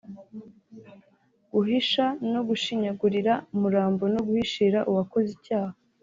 guhisha no gushinyagurira umurambo no guhishira uwakoze icyaha